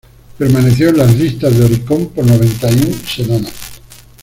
Permaneció en las litas de Oricon por noventa y un semanas.